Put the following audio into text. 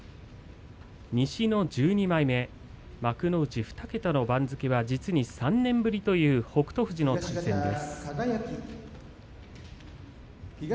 西の１２枚目幕内２桁の番付は実に３年ぶりの北勝富士と対戦です。